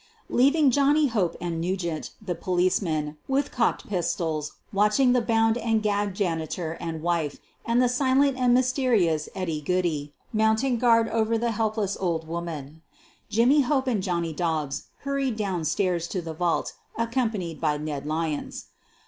Leaving Johnny Hope and Nugent, the police man, with cocked pistols watching the bound and gagged janitor and wife and the silent and mysteri ous Eddy Goodey mounting guard over the helpless old woman, Jimmy Hope and Johnny Dobbs hurried downstairs to the vault, accompanied by Ned Lyons.